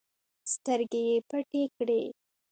سترګې يې پټې کړې.